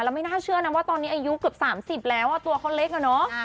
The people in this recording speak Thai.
แล้วไม่น่าเชื่อนะว่าตอนนี้อายุเกือบ๓๐แล้วตัวเขาเล็กอะเนาะ